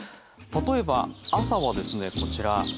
例えば朝はですねこちら。